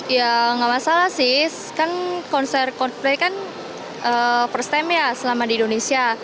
ya nggak masalah sih kan konser coldplay kan first time ya selama di indonesia